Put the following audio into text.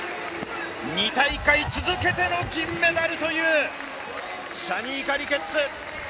２大会続けての銀メダルという、シャニーカ・リケッツ。